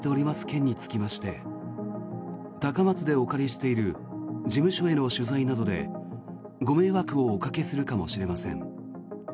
件につきまして高松でお借りしている事務所への取材などでご迷惑をおかけするかもしれません。